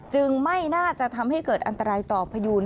ไม่น่าจะทำให้เกิดอันตรายต่อพยูน